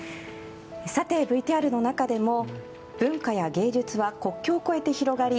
さて、ＶＴＲの中でも文化や芸術は国境を越えて広がり